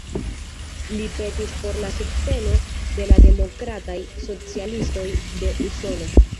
Li petis por la subteno de la Demokrataj Socialistoj de Usono.